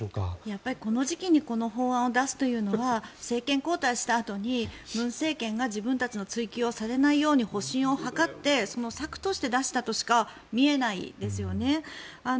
やっぱりこの時期にこの法案を出すというのは政権交代したあとに文政権が自分たちの追及をされないように保身を図ってその策として出したとしか見えないですよね。